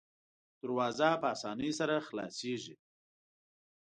دروازه په اسانۍ سره خلاصیږي.